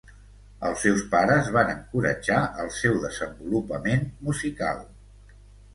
Els seus pares van encoratjar el seu desenvolupament musical.